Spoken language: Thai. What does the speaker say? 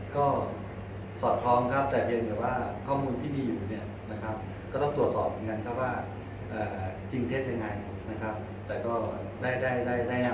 ก็สอดคล้องครับแต่เพียงแต่ว่าข้อมูลที่มีอยู่เนี่ยนะครับก็ต้องตรวจสอบเหมือนกันครับว่าจริงเท็จยังไงนะครับแต่ก็ได้แนะนำ